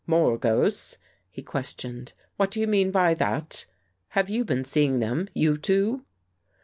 ^ "More ghosts?" he questioned. "What do you mean by that? Have you been seeing them, you two?